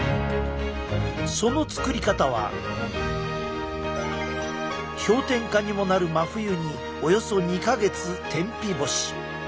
その作り方は氷点下にもなる真冬におよそ２か月天日干し。